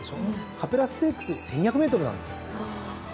カペラステークス１，２００ｍなんですよ。